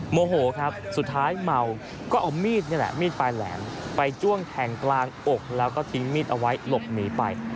โมโหครับสุดท้ายเมาก็เอามีดนี่แหละมีดปลายแหลมไปจ้วงแทงกลางอกแล้วก็ทิ้งมีดเอาไว้หลบหนีไป